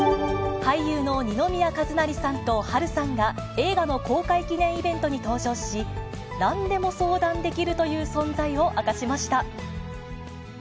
俳優の二宮和也さんと波瑠さんが、映画の公開記念イベントに登場し、なんでも相談できるという存在を明かしました。